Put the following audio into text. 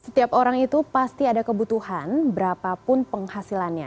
setiap orang itu pasti ada kebutuhan berapapun penghasilannya